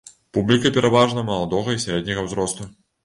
Публіка пераважна маладога і сярэдняга ўзросту.